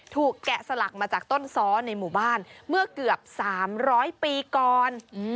แกะสลักมาจากต้นซ้อในหมู่บ้านเมื่อเกือบ๓๐๐ปีก่อน